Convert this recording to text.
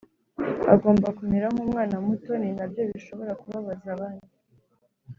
agomba kumera nk’umwana muto ni nabyo bishobora kubabaza abandi